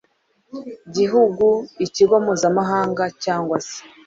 gihugu ikigo mpuzamahanga cyangwa se